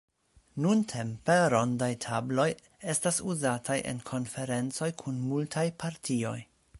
Nuntempe rondaj tabloj estas uzataj en konferencoj kun multaj partioj.